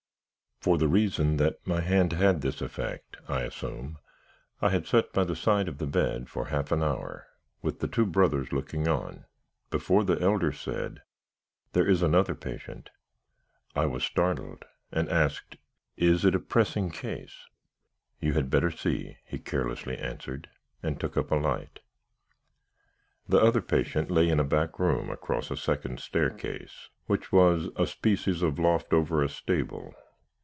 "For the reason that my hand had this effect (I assume), I had sat by the side of the bed for half an hour, with the two brothers looking on, before the elder said: "'There is another patient.' "I was startled, and asked, 'Is it a pressing case?' "'You had better see,' he carelessly answered; and took up a light. "The other patient lay in a back room across a second staircase, which was a species of loft over a stable.